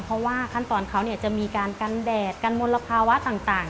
เพราะว่าขั้นตอนเขาจะมีการกันแดดกันมลภาวะต่าง